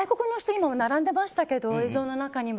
今も並んでましたけど映像の中にも。